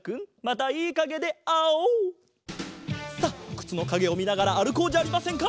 くつのかげをみながらあるこうじゃありませんか！